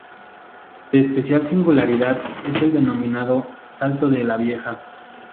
De especial singularidad es el denominado "Salto de la Vieja".